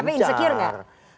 tapi insecure gak